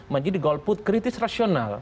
menjadi golput kritis rasional